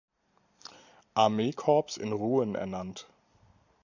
Armeekorps in Rouen ernannt.